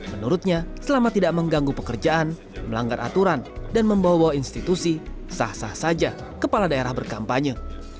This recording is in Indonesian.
menurutnya selama tidak mengganggu pekerjaan melanggar aturan dan membawa bawa institusi sah sah saja kepala daerah berkampanye